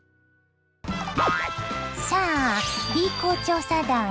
さあＢ公調査団！